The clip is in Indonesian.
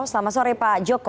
selamat sore pak joko